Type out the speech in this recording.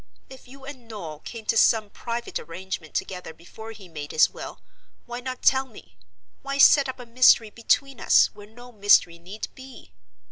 If you and Noel came to some private arrangement together before he made his will, why not tell me? Why set up a mystery between us, where no mystery need be?"